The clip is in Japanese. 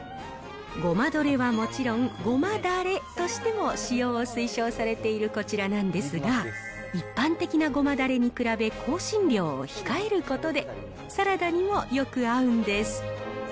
ごまドレはもちろん、ごまだれとしても使用を推奨されているこちらなんですが、一般的なごまだれに比べ、香辛料を控えることで、サラダにもよく合うんです。